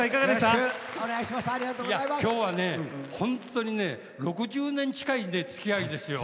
きょうはね、本当に６０年近いつきあいですよ！